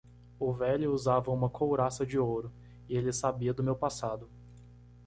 O velho usava uma couraça de ouro? e ele sabia do meu passado.